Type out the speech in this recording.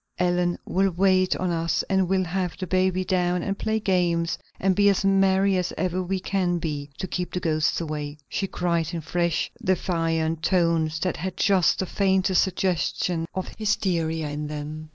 "Ellen will wait on us and we'll have the baby down and play games and be as merry as ever we can be, to keep the ghosts away," she cried in fresh, defiant tones that had just the faintest suggestion of hysteria in them.